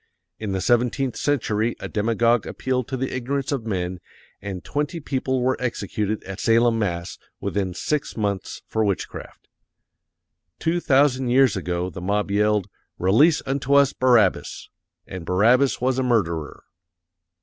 In the seventeenth century a demagog appealed to the ignorance of men_ AND TWENTY PEOPLE WERE EXECUTED AT SALEM, MASS., WITHIN SIX MONTHS FOR WITCHCRAFT. Two thousand years ago the mob yelled, "RELEASE UNTO US BARABBAS" AND BARABBAS WAS A MURDERER!